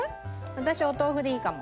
私お豆腐でいいかも。